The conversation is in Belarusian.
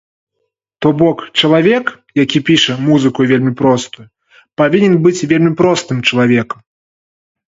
То бок, чалавек, які піша музыку вельмі простую, павінен быць вельмі простым чалавекам.